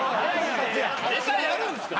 ネタやるんすか？